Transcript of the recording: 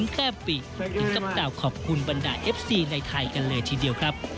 ไม่แค่ปีอีกสัปดาห์ขอบคุณบรรดาเอฟซีในไทยกันเลยทีเดียวครับ